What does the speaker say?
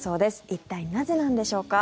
一体、なぜなんでしょうか。